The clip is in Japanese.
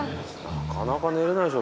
なかなか寝れないでしょ